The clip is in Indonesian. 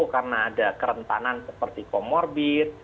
karena ada kerentanan seperti komorbid